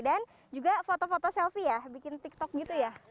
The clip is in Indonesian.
dan juga foto foto selfie ya bikin tiktok gitu ya